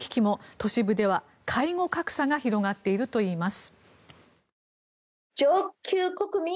都市部では介護格差が広がっているといいます。